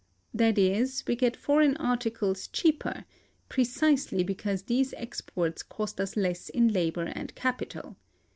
That is, we get foreign articles cheaper precisely because these exports cost us less in labor and capital.